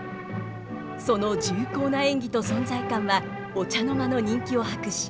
その重厚な演技と存在感はお茶の間の人気を博し